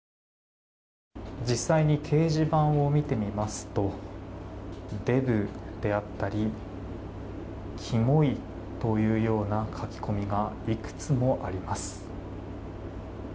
実際に掲示板を見てみますとデブであったりキモいというような書き込みがいくつもあります。